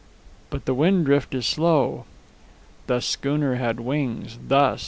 "But the wind drift is slow." "The schooner had wings thus."